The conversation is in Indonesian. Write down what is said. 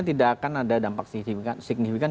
tidak akan ada dampak signifikan